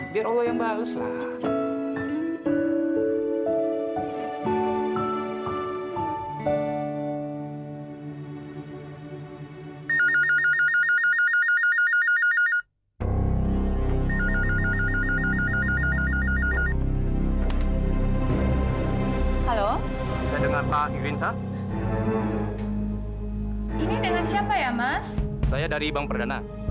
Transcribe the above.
biar allah yang bales lah